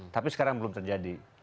tapi sekarang belum terjadi